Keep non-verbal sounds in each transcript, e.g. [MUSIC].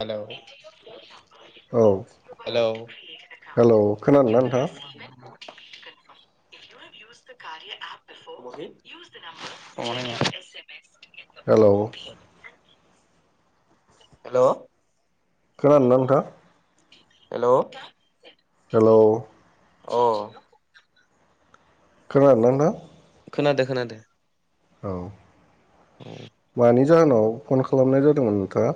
Hello औ hello खोनादों ना नोंथाङा? [UNINTELLIGIBLE] हेलौ हेलौ खोनादोंना नोंथां? हेलौ हेलौ अ खोनादोना नोंथां? खोनादो खोनादो। औ मानि जाहोनाव फन खालामनाय जादोंमोन नोंथाङा।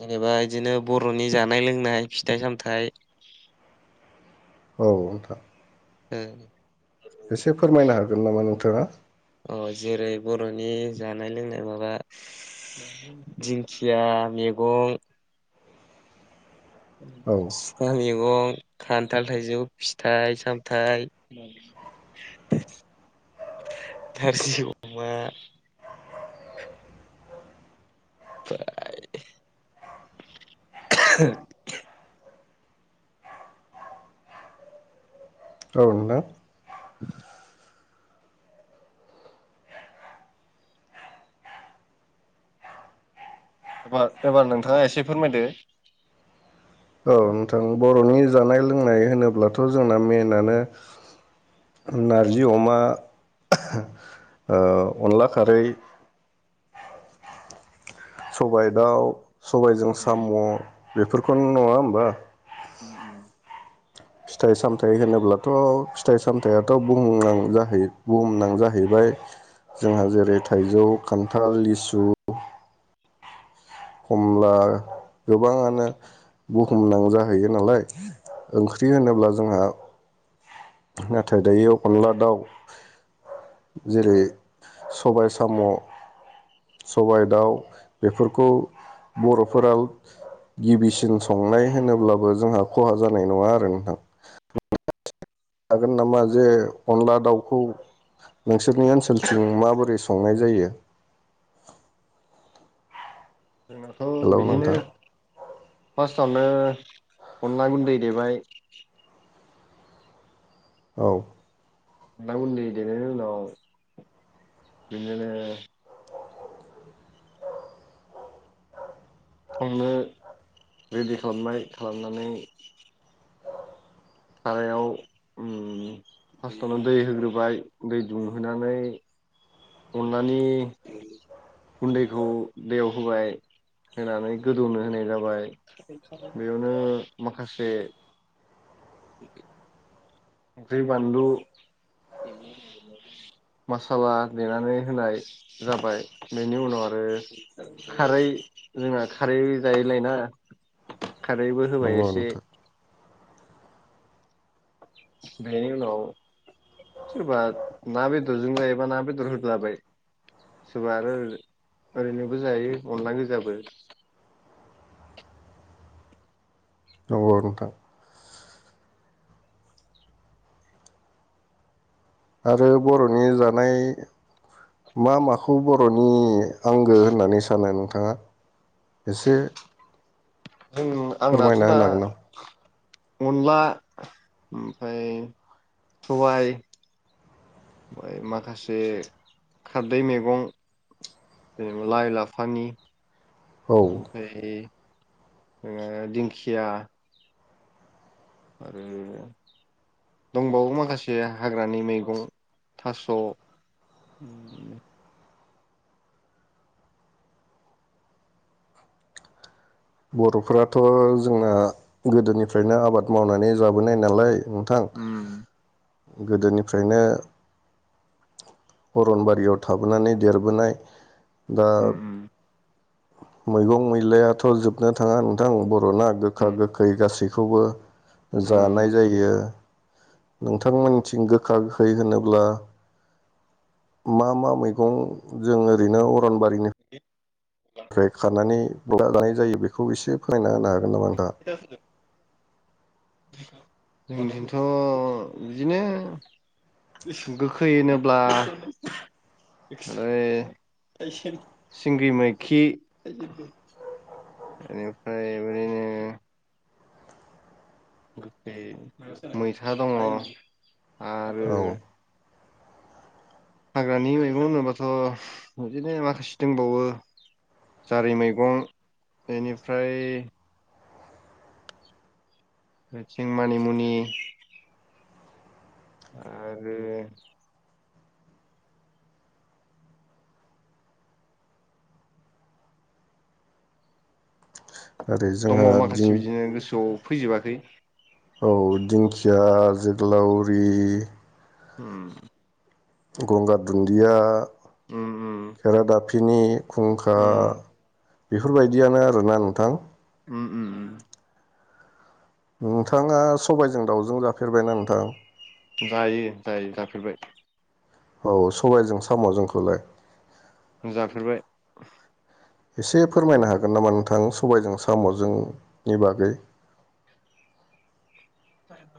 जेनेबा इदिनो बर'नि जानाय लोंनाय फिथाइ सामथाइ औ नोंथां। ए एसे फोरमायनो हागोन नामा नोंथाङा। अ जेरै बर'नि जानाय लोंनाय माबा दिंखिया मेगं औ सुखा मेगं खान्थाल थाइजौ फिथाइ सामथाइ नारजि अमा ओमफाय औ नोंथां। [UNINTELLIGIBLE] बार एबार नोंथाङा एसे फोरमायदो? औ नोंथां बर'नि जानाय लोंनाय होनोब्लाथ' जोंना मेनानो नारजि अमा ओ अनला खारै। सबाइ दाउ सबायजों साम' बेफोरखौनो नङा होमबा? उम उम फिथाइ सामथाइ होनोब्लाथ' फिथाइ सामथाइआथ' बुहुमनां जाखायो बुहुमनां जाहैबाय। जोंहा जेरै थाइजौ खान्थाल, लिसु खमला गोबाङानो बुहुमनां जाहैयो नालाय ओंख्रि होनोब्ला जोंहा नाथाय दायो अनला दाउ जेरै सबाय साम' सबाय दाउ बेफोरखौ बर'फोरा गिबिसिन संनाय होनोब्लाबो जोंहा खहा जानाय नङा आरो नोंथां। हागोन नामा जे अनला दाउखौ नोंसोरनि ओनसोलथिं माबोरै संनाय जायो? जोंनाथ' हेलौ बिदिनो नोंथां फार्स्टआवनो अनला गुन्दै देबाय औ अनला गुन्दै देनायनि उनाव बिदिनो संनो रेडि खालामनाय खालामनानै सारायाव उम फार्स्टआवनो दै होग्रोबाय दै दुंहोनानै अनलानि गुन्दैखौ दैयाव होबाय होनानै गोदौनो होनाय जाबाय बेयावनो माखासे संख्रै, बानलु मसाला देनानै होनाय जाबाय बेनि उनाव आरो खारै जोंना खारै जायोलायना खारैबो होबाय नंगौ एसे नोंथां बेनि उनाव सोरबा ना बेदरजों जायोबा ना बेदर होदलाबाय सोरबा आरो ओरैनोबो जायो अनला गोजाबो। नंगौ नोंथां आरो बर'नि जानाय मा माखौ बर'नि आंगो होननानै सानो नोंथाङा एसे जों आंनाथ' फोरमायना दा होनो हागोन नामा अनला ओमफाय सबाय ओमफाय माखासे खारदै मेगं जेन लाइ लाफानि औ ओमफ्राय इदिनो दिंखिया आरो दंबावो माखासे हाग्रानि मैगं थास' बर'फोराथ' जोंना गोदोनिफ्रायनो आबाद मावनानै जाबोनाय नालाय नोंथां उम गोदोनिफ्रायनो अरनबारियाव थाबोनानै देरबोनाय दा उम मैगं मैलायाथ' जोबनो थाङा नोंथां बर थला गोखा, उम गोखै गासै खौबो जानाय उम जायो। नोंथांमोननिथिं गोखा गोखै होनोब्ला मा मा मैगं जों ओरैनो अ अरन बारिनो होखानानै [UNINTELLIGIBLE] जानाय जायो बेखौ एसे फोरोनना होनो हागोन। नामा नोंथाङा। जोंजोंथ' बिदिनो गोखै होनोब्ला ओ सिंगि मैखि बेनिफ्राय बिदिनो गोखै मैथा दङ। आरो औ हाग्रानि मैगं होनोबाथ' बिदिनो माखासे दंबावो जारि मैगं इनिफ्राय ओयथिं मानिमुनि आरो ओरै दङ जोंहा माखासे दिं बिदिनो गोसोआव फैजोबाखै। औ दिंखिया जोग्लावरि उम। गंगार दुन्दिया उम उम खेरादाफिनि खुंखा। उम बेफोरबायदियानो आरोना नोंथां। उम उम उम। नोंथाङा सबायजों दाउजों जाफेरबायना नोंथां? जायो जायो जाफेरबाय। औ सबायजों साम'जोंखौलाय। जाफेरबाय। एसे फोरमायनो हागोन नामा नोंथां सबायजों साम'जोंनि बागै।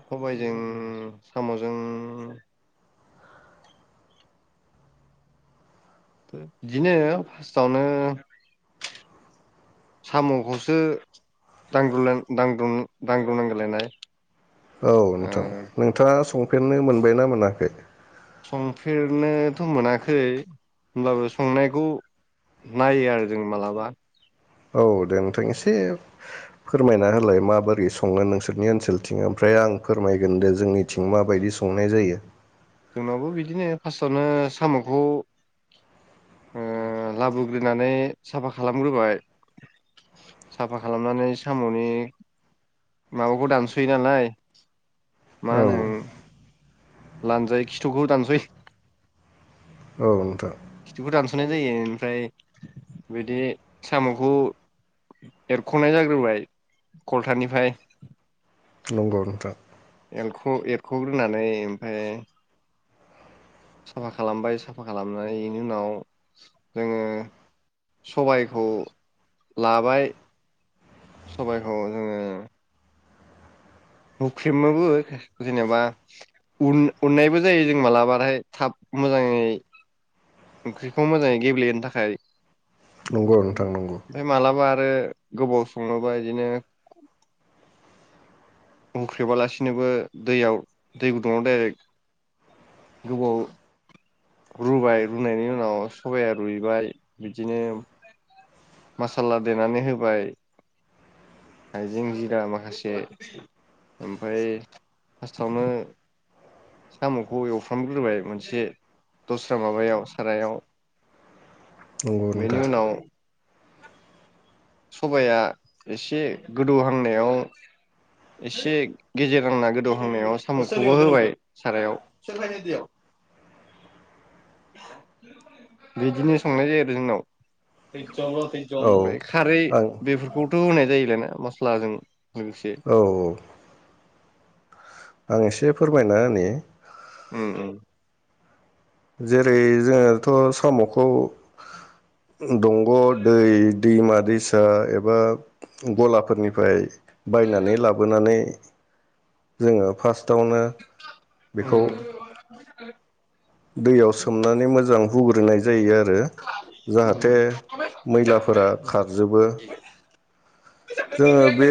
सबायजों साम'जों बिदिनो फार्स्टआवनो साम'खौसो दांग्रुनलाय दांग्रुन दांग्रुननांगोनलायनाय औ नोंथां नोंथाङा सं फेननो मोनबायना मोनाखै। संफेरनोथ' मोनाखै होनब्लाबो संनायखौ नायो आरो जों मालाबा औ दे नोंथां एसे फोरमायना होलाय माबोरै संनो नोंसोरनि ओनसोलथिं ओमफ्राय आं फोरमायगोन दे जोंनि थिं माबायदि संनाय जायो। जोंनावबो बिदिनो फार्स्टआवनो साम'खौ ओ लाबोग्रोनानै साफा खालामग्रोबाय साफा खालामनानै साम'नि माबाखौ दानस'यो नालाय मा औ होनों लानजाय खिथुखौ दानसयो। औ नोंथां। खिथिुखौ दानस'नाय जायो ओमफ्राय बिदि साम'खौ एरख'नाय जाग्रोबाय खलथानिफ्राय। नंगौ नोंथां। एलख एरख'ग्रोनानै ओमफ्राय साफा खालामबाय साफा खालामनायनि उनाव जोङो सबायखौ लाबाय सबायखौ जोङो हुख्रेमोबो जेनेबा उन उननायबो जायो जों मालाबाथाय थाब मोजाङै ओंख्रिखौ मोजाङै गेब्लेहोनो थाखाय। नंगौ नोंथां नंगौ। ओमफ्राय मालाबा गोबाव सङोबा इदिनो हुंख्रेबालासिनोबो दैयाव दै गुदुङाव डाइरेक्ट गोबाव रुबाय रुनायनि उनाव सबाया रुइबाय बिदिनो मासाला देनानै होबाय हाइजें जिरा माखासे ओमफाय [UNINTELLIGIBLE] साम'खौ एवफ्रामग्रोबाय मोनसे दस्रा माबायाव सारायाव नंगौ बेनि नोंथां उनाव सबाया एसे गोदौहांनायाव एसे गेजेर हांना गोदौहांनायाव साम'खौबो होबाय सारायाव [INAUDIBLE] बिदिनो संनाय जायो आरो औ जोंनाव [INAUDIBLE] खारै आं बेफोरखौथ' होनाय [UNINTELLIGIBLE] मस्ला जों औ आं एसे फोरमायना होनि उम उम जेरै जोङोथ' साम'खौ दंग' दै दैमा दैसा एबा गलाफोरनिफ्राय बायनानै लाबोनानै जोङो [UNINTELLIGIBLE] टावनो बेखौ उम दैयाव सोमनानै मोजां हुगो [UNINTELLIGIBLE] जायो आ [INAUDIBLE] जाहाथे मैलाफोरा खारजोबो जोङो बे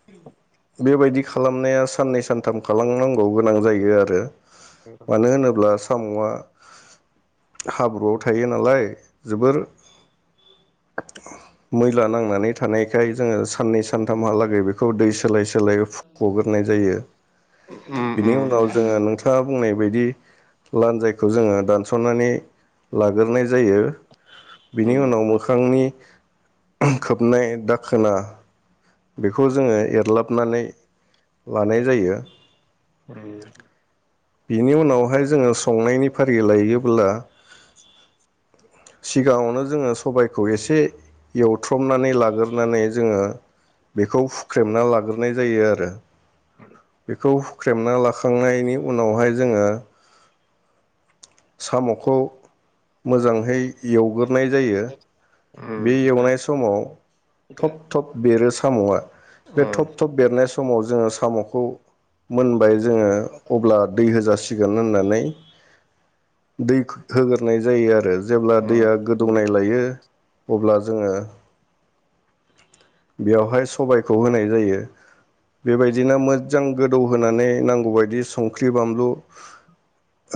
[INAUDIBLE] बेबायदि खालामनाया साननै सानथाम [UNINTELLIGIBLE] गोनां जायो आरो मानो होनोब्ला [INAUDIBLE] [UNINTELLIGIBLE] हाब्रुआव थायो नालाय जोबोर मैला नांनानै थानायखाय जोङो साननै सानथामहालागै बेखौ दै सो [UNINTELLIGIBLE] [UNINTELLIGIBLE] जायो बिनि उनाव जोङो नोंथाङा बुंनाय बायदि लान्जायखौ जोङो दानस'नानै लाग्रोनाय जायो बिनि उनाव मोखांनि खोबनाय दाखोना बेखौ जोङो एर [INAUDIBLE] लानाय जायो उम बिनि उनावहाय जोङो संनायनि फारि लायोब्ला सिगाङावनो जोङो सबायखौ एसे एवथ्रमनानै लाग्रोनानै जोङो बेखौ हुख्रेमना लाग्रोनाय जायो आरो बेखौ हुख्रेमना लाखांनायनि उनावहाय जोङो साम'खौ मोजांहै एवगोर नाय जायो बे एवनाय समाव थब थब बि बेरो साम'आ बे थब थब बेरनाय स समाव जोङो साम'खौ मोन बाय जोङो अब्ला दै होजासि दिगोन होननानै दै होगोरनाय जायो आरो जेब्ला दैया गोदौनाय लायो [INAUDIBLE] अब्ला जोङो बेवहाय सबायखौ होनाय जायो बेबायदिनो मोजां गोदौ होनोनानै नांगौबायदि संख्रि बानलु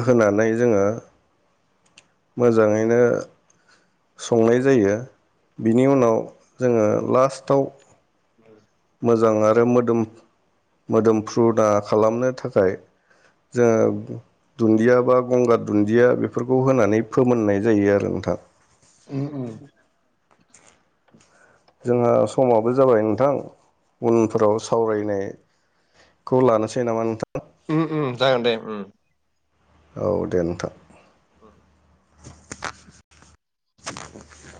होनानै जोङो मोजाङैनो संनाय जायो बिनि उनाव जोङो लास्टआव [INAUDIBLE] मोजां आरो मोदोम मोदोम फ्रुदा खालामनो थाखाय जोङो दुनदिया बा गंगार दुनदिया बेफोरखौ होनानै फोमोननाय जायो आरो नोंथां। ओं जोंहा समाबो जाबाय नोंथां उनफोराव सावरायनायखौ लानोसै नामा नोंथां। ओम ओम जागोन दे ओम औ दे नोंथां। औ [UNINTELLIGIBLE]